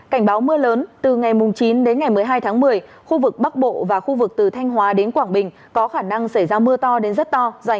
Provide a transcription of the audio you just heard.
cảnh báo mưa lớn từ ngày chín đến ngày một mươi hai tháng một mươi khu vực bắc bộ và khu vực từ thanh hóa đến quảng bình có khả năng xảy ra mưa to đến rất to dài hưởng của bão số bảy